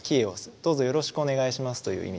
どうぞよろしくお願いしますという意味なんですね。